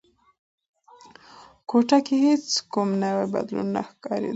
کوټه کې هیڅ کوم نوی بدلون نه ښکارېده.